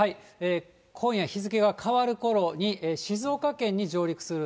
今夜、日付が変わるころに、静岡県に上陸する。